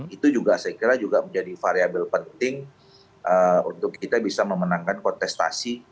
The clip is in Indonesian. itu juga saya kira juga menjadi variable penting untuk kita bisa memenangkan kontestasi